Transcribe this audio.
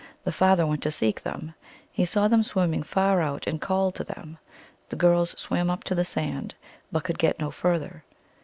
The father went to seek them. He saw them swim ming far out, and called to them. The girls swam up to the sand, but could get no further.